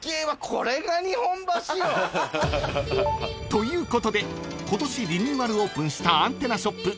［ということで今年リニューアルオープンしたアンテナショップ